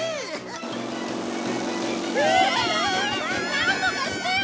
なんとかしてよ！